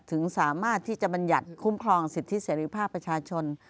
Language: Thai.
ถึงสามารถที่จะบรรยัติคุ้มครองสิทธิเสรีภาพประชาชน